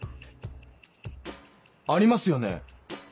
ありますよね！